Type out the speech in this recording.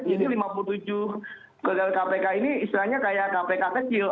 jadi lima puluh tujuh kegagalan kpk ini istilahnya kayak kpk kecil